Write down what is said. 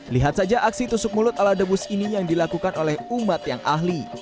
lihat saja aksi tusuk mulut ala debus ini yang dilakukan oleh umat yang ahli